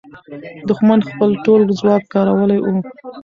دښمن خپل ټول ځواک کارولی وو.